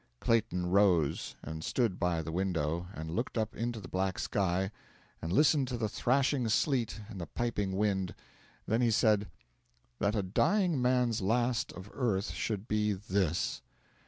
Clayton rose, and stood by the window, and looked up into the black sky, and listened to the thrashing sleet and the piping wind; then he said: 'That a dying man's last of earth should be this!'